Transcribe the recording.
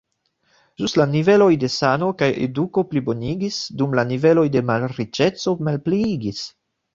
Ĵus la niveloj de sano kaj eduko plibonigis, dum la niveloj de malriĉeco malpliigis.